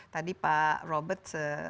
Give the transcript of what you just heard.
tadi pak robert